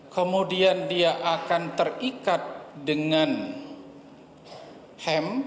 kemudian dia akan terikat dengan ham